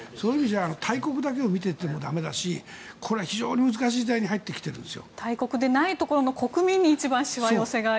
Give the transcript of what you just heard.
大国だけ見ても駄目だしこれは非常に難しい時代に入ってきているんですよ。